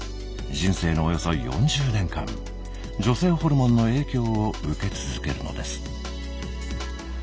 人生のおよそ４０年間女性ホルモンの影響を受け続けるのです。